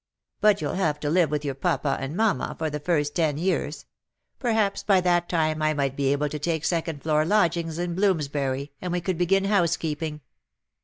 ' But you^ll have to live with your papa and mamma for the first ten years » Perhaps by that time I might be able to take second floor lodgings in Bloomsbury, and we could begin housekeeping.